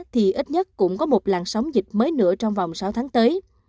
thì ít nhất cũng có một làn sóng dịch mới nữa trong vòng sáu tháng tới